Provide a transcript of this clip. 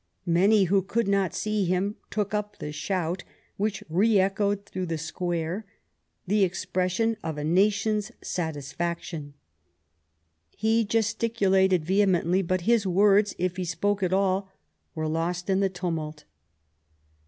Many who could not see him took up the shout, which re echoed through the square, the expression of a nation's satisfaction. He gesticulated vehemently, but his words, if he spoke at all, were lost in the tumult.